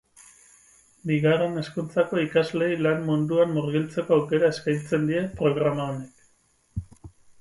Bigarren hezkuntzako ikasleei lan munduan murgiltzeko aukera eskaintzen die programa honek.